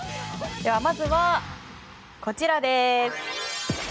まずは、こちらです。